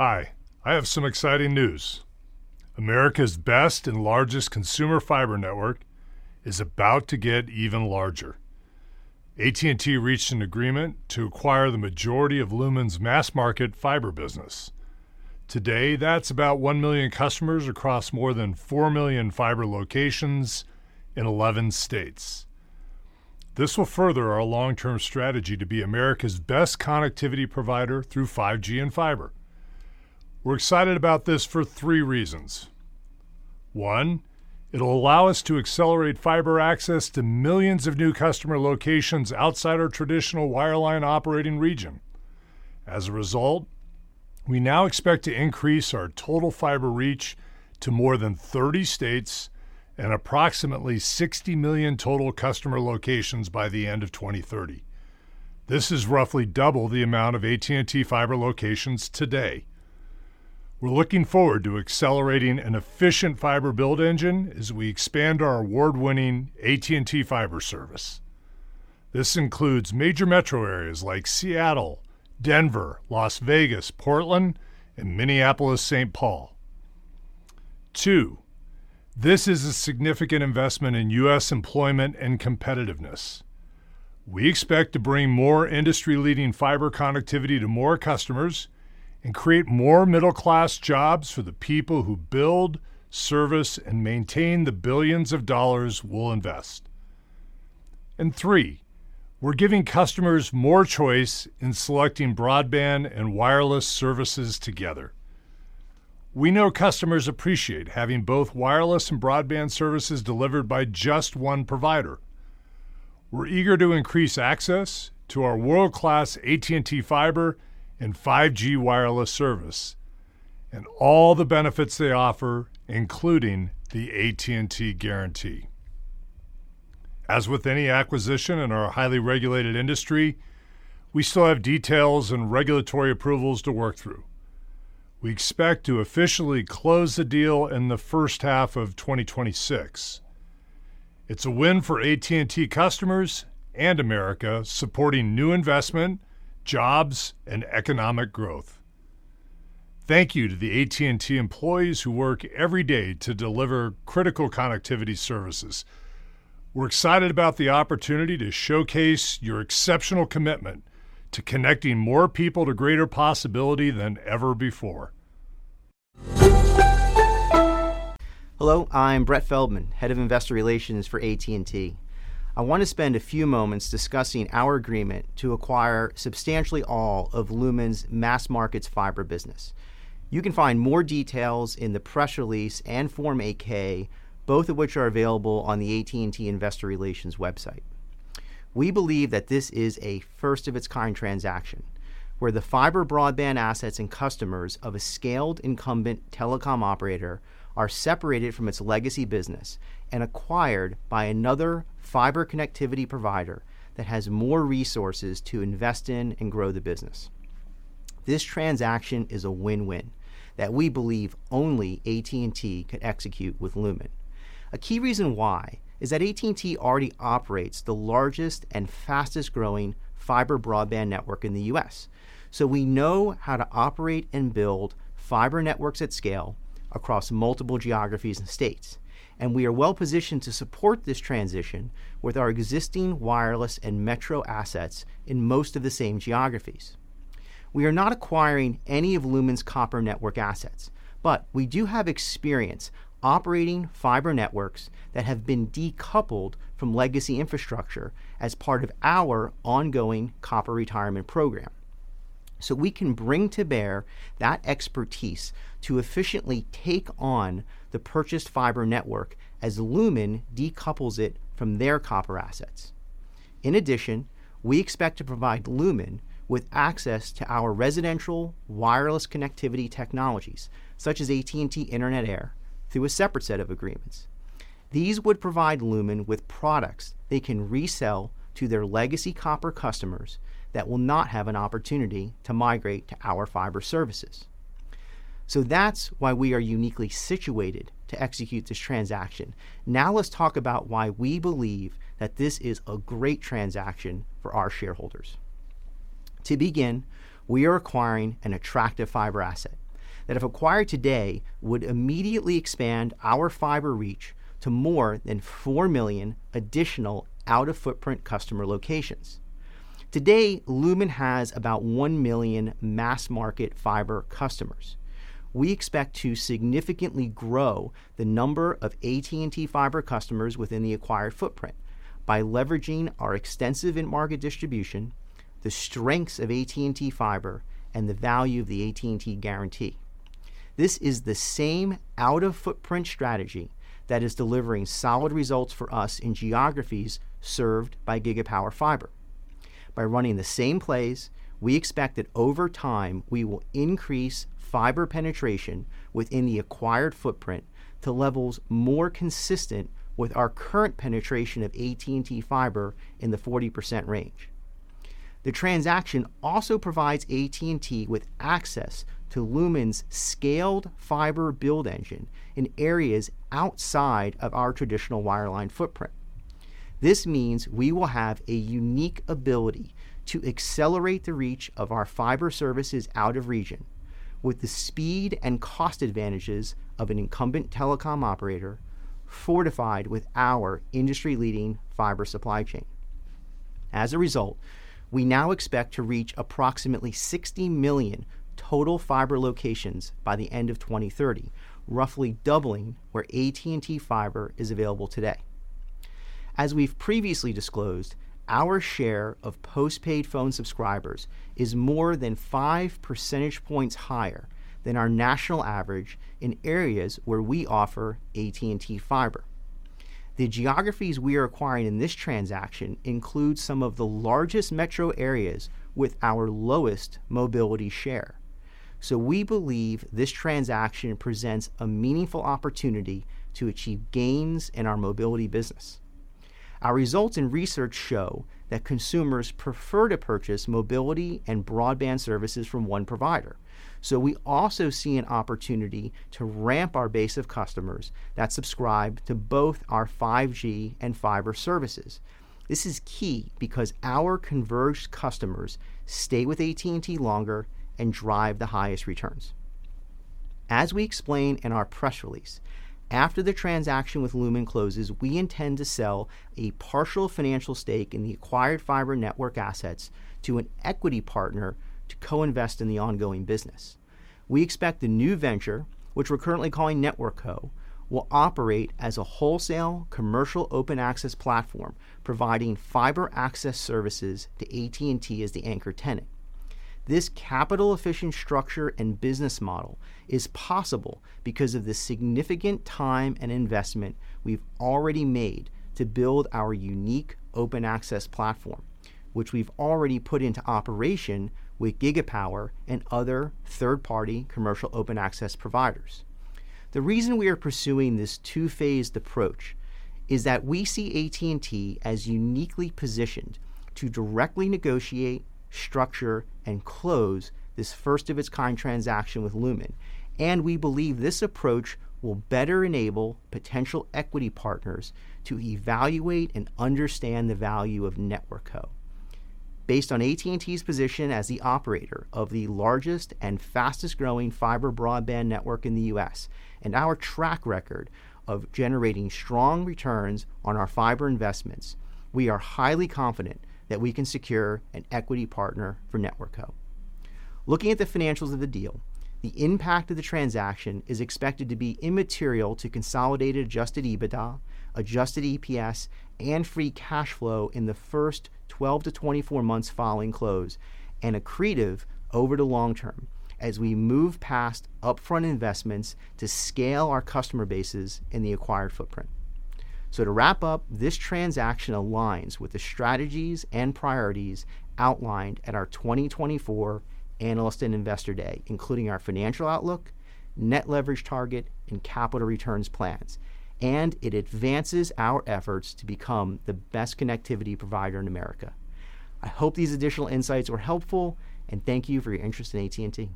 Hi, I have some exciting news. America's best and largest consumer fiber network is about to get even larger. AT&T reached an agreement to acquire the majority of Lumen's mass-market fiber business. Today, that's about 1 million customers across more than 4 million fiber locations in 11 states. This will further our long-term strategy to be America's best connectivity provider through 5G and fiber. We're excited about this for three reasons. One, it'll allow us to accelerate fiber access to millions of new customer locations outside our traditional wireline operating region. As a result, we now expect to increase our total fiber reach to more than 30 states and approximately 60 million total customer locations by the end of 2030. This is roughly double the amount of AT&T Fiber locations today. We're looking forward to accelerating an efficient fiber build engine as we expand our award-winning AT&T Fiber service. This includes major metro areas like Seattle, Denver, Las Vegas, Portland, and Minneapolis-St. Paul. Two, this is a significant investment in U.S. employment and competitiveness. We expect to bring more industry-leading fiber connectivity to more customers and create more middle-class jobs for the people who build, service, and maintain the billions of dollars we'll invest. And three, we're giving customers more choice in selecting broadband and wireless services together. We know customers appreciate having both wireless and broadband services delivered by just one provider. We're eager to increase access to our world-class AT&T Fiber and 5G wireless service, and all the benefits they offer, including the AT&T guarantee. As with any acquisition in our highly regulated industry, we still have details and regulatory approvals to work through. We expect to officially close the deal in the first half of 2026. It's a win for AT&T customers and America, supporting new investment, jobs, and economic growth. Thank you to the AT&T employees who work every day to deliver critical connectivity services. We're excited about the opportunity to showcase your exceptional commitment to connecting more people to greater possibility than ever before. Hello, I'm Brett Feldman, Head of Investor Relations for AT&T. I want to spend a few moments discussing our agreement to acquire substantially all of Lumen's mass-market fiber business. You can find more details in the press release and Form 8-K, both of which are available on the AT&T Investor Relations website. We believe that this is a first-of-its-kind transaction, where the fiber broadband assets and customers of a scaled incumbent telecom operator are separated from its legacy business and acquired by another fiber connectivity provider that has more resources to invest in and grow the business. This transaction is a win-win that we believe only AT&T could execute with Lumen. A key reason why is that AT&T already operates the largest and fastest-growing fiber broadband network in the U.S., so we know how to operate and build fiber networks at scale across multiple geographies and states, and we are well-positioned to support this transition with our existing wireless and metro assets in most of the same geographies. We are not acquiring any of Lumen's copper network assets, but we do have experience operating fiber networks that have been decoupled from legacy infrastructure as part of our ongoing copper retirement program, so we can bring to bear that expertise to efficiently take on the purchased fiber network as Lumen decouples it from their copper assets. In addition, we expect to provide Lumen with access to our residential wireless connectivity technologies, such as AT&T Internet Air, through a separate set of agreements. These would provide Lumen with products they can resell to their legacy copper customers that will not have an opportunity to migrate to our fiber services. So that's why we are uniquely situated to execute this transaction. Now let's talk about why we believe that this is a great transaction for our shareholders. To begin, we are acquiring an attractive fiber asset that, if acquired today, would immediately expand our fiber reach to more than 4 million additional out-of-footprint customer locations. Today, Lumen has about 1 million mass-market fiber customers. We expect to significantly grow the number of AT&T Fiber customers within the acquired footprint by leveraging our extensive in-market distribution, the strengths of AT&T Fiber, and the value of the AT&T guarantee. This is the same out-of-footprint strategy that is delivering solid results for us in geographies served by Gigapower fiber. By running the same plays, we expect that over time we will increase fiber penetration within the acquired footprint to levels more consistent with our current penetration of AT&T Fiber in the 40% range. The transaction also provides AT&T with access to Lumen's scaled fiber build engine in areas outside of our traditional wireline footprint. This means we will have a unique ability to accelerate the reach of our fiber services out of region with the speed and cost advantages of an incumbent telecom operator fortified with our industry-leading fiber supply chain. As a result, we now expect to reach approximately 60 million total fiber locations by the end of 2030, roughly doubling where AT&T Fiber is available today. As we've previously disclosed, our share of postpaid phone subscribers is more than 5 percentage points higher than our national average in areas where we offer AT&T Fiber. The geographies we are acquiring in this transaction include some of the largest metro areas with our lowest mobility share, so we believe this transaction presents a meaningful opportunity to achieve gains in our mobility business. Our results and research show that consumers prefer to purchase mobility and broadband services from one provider, so we also see an opportunity to ramp our base of customers that subscribe to both our 5G and fiber services. This is key because our converged customers stay with AT&T longer and drive the highest returns. As we explain in our press release, after the transaction with Lumen closes, we intend to sell a partial financial stake in the acquired fiber network assets to an equity partner to co-invest in the ongoing business. We expect the new venture, which we're currently calling NetworkCo, will operate as a wholesale commercial open access platform providing fiber access services to AT&T as the anchor tenant. This capital-efficient structure and business model is possible because of the significant time and investment we've already made to build our unique open access platform, which we've already put into operation with Gigapower and other third-party commercial open access providers. The reason we are pursuing this two-phased approach is that we see AT&T as uniquely positioned to directly negotiate, structure, and close this first-of-its-kind transaction with Lumen, and we believe this approach will better enable potential equity partners to evaluate and understand the value of NetworkCo. Based on AT&T's position as the operator of the largest and fastest-growing fiber broadband network in the U.S.. And our track record of generating strong returns on our fiber investments, we are highly confident that we can secure an equity partner for NetworkCo. Looking at the financials of the deal, the impact of the transaction is expected to be immaterial to consolidated Adjusted EBITDA, Adjusted EPS, and Free Cash Flow in the first 12-24 months following close, and accretive over the long term as we move past upfront investments to scale our customer bases in the acquired footprint. So to wrap up, this transaction aligns with the strategies and priorities outlined at our 2024 Analyst and Investor Day, including our financial outlook, net leverage target, and capital returns plans, and it advances our efforts to become the best connectivity provider in America. I hope these additional insights were helpful, and thank you for your interest in AT&T.